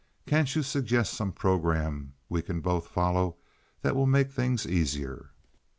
Can't you suggest some programme we can both follow that will make things easier?"